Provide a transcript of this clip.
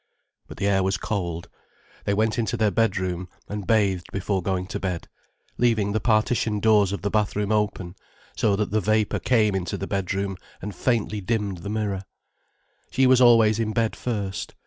[But the air was cold. They went into their bedroom, and bathed before going to bed, leaving the partition doors of the bathroom open, so that the vapour came into the bedroom and faintly dimmed the mirror. She was always in bed first.